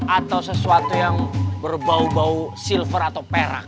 atau sesuatu yang berbau bau silver atau perak